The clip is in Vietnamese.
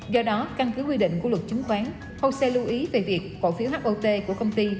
do đó căn cứ quy định của luật chứng khoán hose lưu ý về việc cổ phiếu hot của công ty